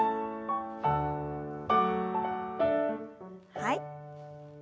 はい。